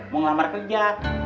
mau ngelamar kerja